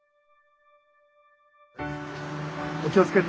お気をつけて。